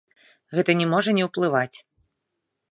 Гэта не можа не ўплываць.